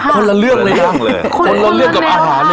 คนละเลือกกับอาหารเลยนะครับ